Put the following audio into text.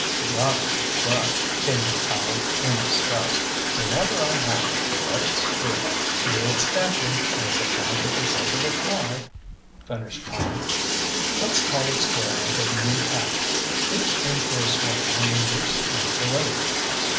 "He ought to be ducked," came from Powell, in disgust. "Whenever I have a poetic streak " "It's catching, as the fly paper said to the fly," finished Tom. "Let's call it square and take a new tack. Who's in for a swim when we reach the end of the lake?"